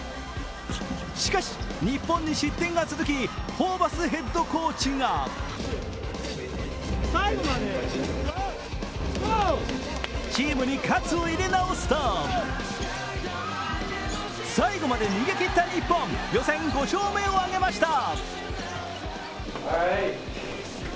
しかし、日本に失点が続きホーバスヘッドコーチがチームに喝を入れ直すと最後まで逃げきった日本、予選５勝目を挙げました。